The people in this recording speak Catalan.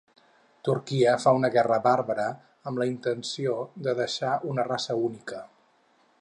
Turquia fa una guerra bàrbara amb la intenció de deixar una raça única.